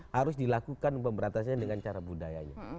harus dilakukan pemberantasnya dengan cara budayanya